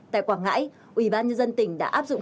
tại quảng ngãi ủy ban nhân dân tỉnh đã áp dụng